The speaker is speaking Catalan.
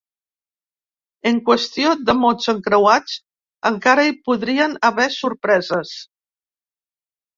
En qüestió de mots encreuats, encara hi podrien haver sorpreses.